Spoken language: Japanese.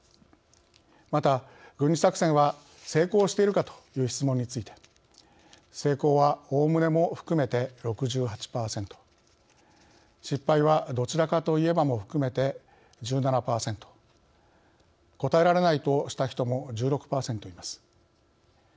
また軍事作戦は成功しているかという質問について成功はおおむねも含めて６８％失敗はどちらかと言えばも含めて１７％答えられないとした人も１６％います。